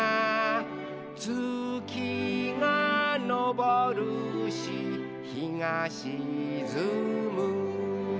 「つきがのぼるしひがしずむ」